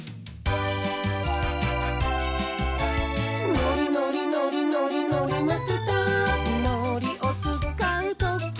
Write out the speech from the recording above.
「のりのりのりのりのりマスター」「のりをつかうときは」